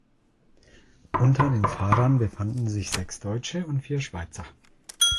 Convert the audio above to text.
Unter den Fahrern befanden sich sechs Deutsche und vier Schweizer.